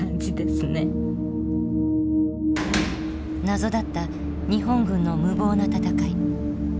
謎だった日本軍の無謀な戦い。